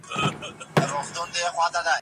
کلکې ګاګرې يې اسمان سره جنګیږي